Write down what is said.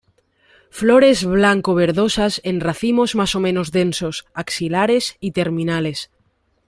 Flores blanco-verdosas en racimos más o menos densos, axilares y terminales.